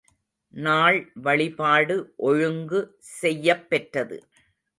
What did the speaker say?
நாள்வழிபாடு ஒழுங்கு செய்யப் பெற்றது.